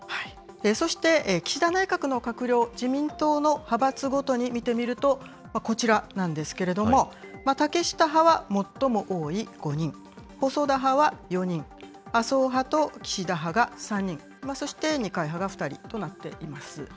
そして、岸田内閣の閣僚、自民党の派閥ごとに見てみると、こちらなんですけれども、竹下派は最も多い５人、細田派は４人、麻生派と岸田派が３人、そして二階派が２人となっています。